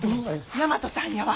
大和さんやわ。